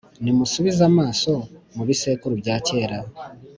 Nimusubize amaso mu bisekuru bya kera